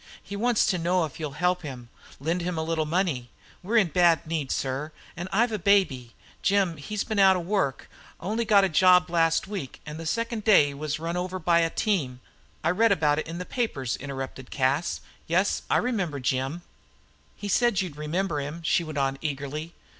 "He wants to know if you'll help him lend him a little money. We're bad in need, sir, an' I've a baby. Jim, he's been out of work an' only got a job last week, an' the second day he was run over by a team " "I read it in the paper," interrupted Cas. "Yes, I remember Jim." "He said you'd remember him," she went on eagerly.